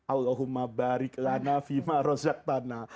allahumma barik lanafima rozaktana